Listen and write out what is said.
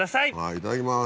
いただきます。